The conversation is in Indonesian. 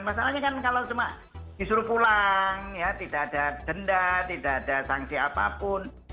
masalahnya kan kalau cuma disuruh pulang ya tidak ada denda tidak ada sanksi apapun